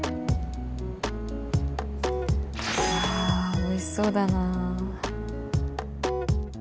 うわおいしそうだな。